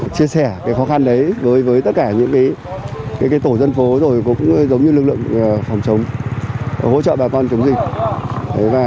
chia sẻ khó khăn đấy đối với tất cả những tổ dân phố rồi cũng giống như lực lượng phòng chống hỗ trợ bà con chống dịch